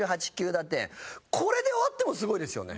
これで終わってもすごいですよね。